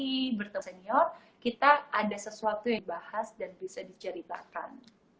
jadi bertesemior kita ada sesuatu yang dibahas dan bisa diceritakan